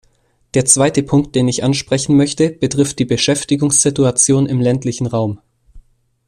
Der zweite Punkt, den ich ansprechen möchte, betrifft die Beschäftigungssituation im ländlichen Raum.